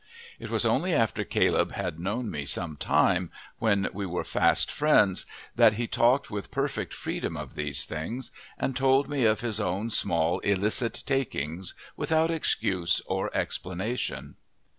It was only after Caleb had known me some time, when we were fast friends, that he talked with perfect freedom of these things and told me of his own small, illicit takings without excuse or explanation.